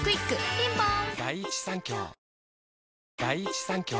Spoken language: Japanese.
ピンポーン